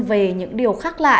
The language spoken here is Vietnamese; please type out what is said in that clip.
về những điều khác lạ